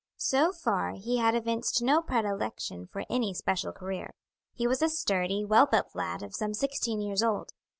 So far he had evinced no predilection for any special career. He was a sturdy, well built lad of some sixteen years old.